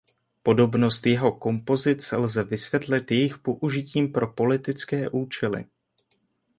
Podobnost jeho kompozic lze vysvětlit jejich použitím pro politické účely.